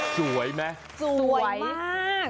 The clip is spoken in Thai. สวยมาก